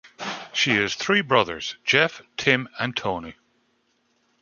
She has three brothers, Jeff, Tim and Tony.